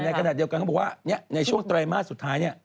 แต่ในขณะเดียวกันเขาบอกว่าในช่วงไตรมาสสุดท้าย